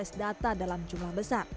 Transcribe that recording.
tes data dalam jumlah besar